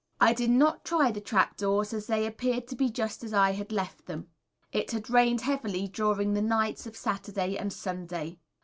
I did not try the Trap doors as they appeared to be just as I had left them. It had rained heavily during the nights of Saturday and Sunday.